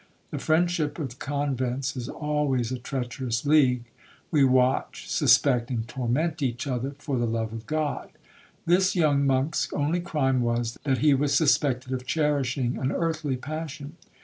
The friendship of convents is always a treacherous league—we watch, suspect, and torment each other, for the love of God. This young monk's only crime was, that he was suspected of cherishing an earthly passion.